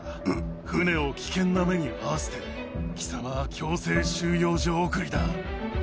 船を危険な目に遭わせて、貴様は強制収容所送りだ！